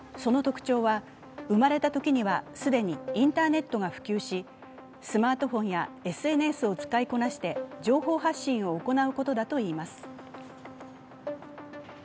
その特徴は、生まれたときには既にインターネットが普及し、スマートフォンやＳＮＳを使いこなして情報発信を行うことだといいます。